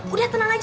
udah tenang aja